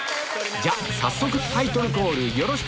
じゃあ早速タイトルコールよろしく！